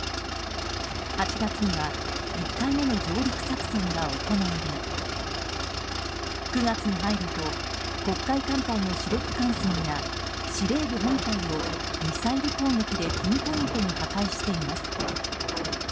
８月には１回目の上陸作戦が行われ９月に入ると黒海艦隊の主力艦船や司令部本体をミサイル攻撃でピンポイントに破壊しています。